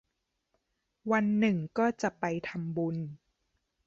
วันหนึ่งก็จะไปทำบุญ